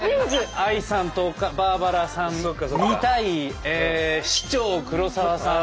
ＡＩさんとバーバラさんの２対市長黒沢さん